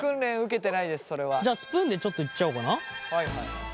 じゃあスプーンでちょっといっちゃおうかな。